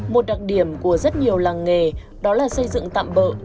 một đặc điểm của rất nhiều làng nghề đó là xây dựng tạm bỡ